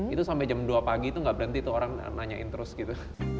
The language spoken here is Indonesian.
itu sampai jam dua pagi itu nggak berhenti tuh orang nanyain terus gitu